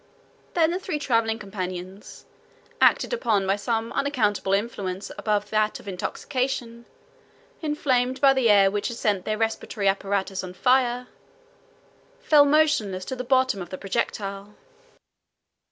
Then the three traveling companions, acted upon by some unaccountable influence above that of intoxication, inflamed by the air which had set their respiratory apparatus on fire, fell motionless to the bottom of the projectile.